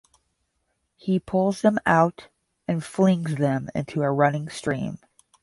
He pulls them out and flings them into a running stream.